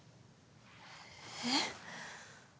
えっ？